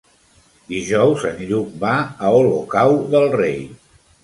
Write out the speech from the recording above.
Dijous en Lluc va a Olocau del Rei.